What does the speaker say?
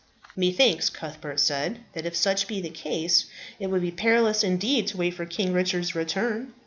"Methinks," Cuthbert said, "that if such be the case it would be perilous indeed to wait for King Richard's return.